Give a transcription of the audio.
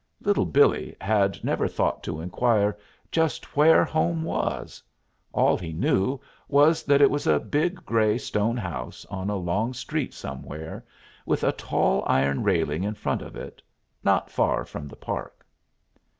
Little Billee had never thought to inquire just where home was. All he knew was that it was a big gray stone house on a long street somewhere, with a tall iron railing in front of it, not far from the park.